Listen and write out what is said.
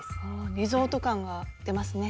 リゾート感が出ますね。